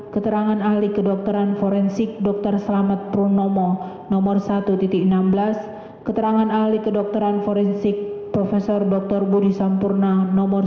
keterangan ahli kedokteran forensik dr selamat purnomo nomor satu enam belas keterangan ahli kedokteran forensik prof dr budi sampurna nomor satu